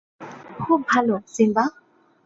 খুব ভাল, সিম্বা!